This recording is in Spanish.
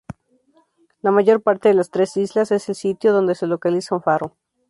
La mayor de las tres islas es el sitio donde se localiza un faro.